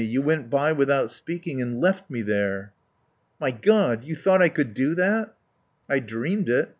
You went by without speaking and left me there." "My God you thought I could do that?" "I dreamed it.